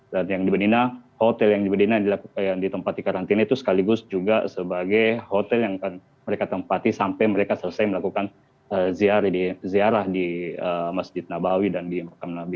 yang di bedina hotel yang di bedina yang ditempati karantina itu sekaligus juga sebagai hotel yang akan mereka tempati sampai mereka selesai melakukan ziarah di masjid nabawi dan di makam nabi